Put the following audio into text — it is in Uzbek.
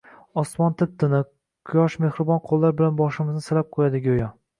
Osmon tip-tiniq. Quyosh mehribon qoʻllari bilan boshimizni silab qoʻyadi goʻyo.